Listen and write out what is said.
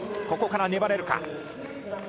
ここから粘れるか。